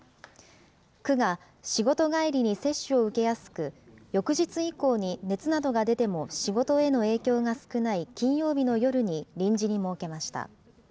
区が仕事帰りに接種を受けやすく、翌日以降に熱などが出ても仕事への影響が少ない金曜日の夜に臨時に設けました。